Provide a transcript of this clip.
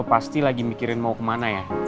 pasti lagi mikirin mau kemana ya